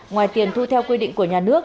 ngoài tiền thu theo quy định của nhà nước